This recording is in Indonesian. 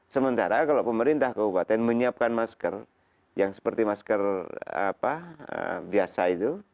sementara kalau pemerintah kabupaten menyiapkan masker yang seperti masker biasa itu